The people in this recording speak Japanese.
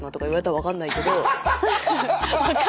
分かんないけど。